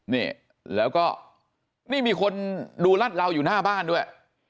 นี่แล้วก็นี่มีคนดูรัดเราอยู่หน้าบ้านด้วย